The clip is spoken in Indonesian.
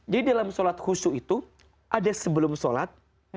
jadi dalam sholat husu itu ada sebelum sholat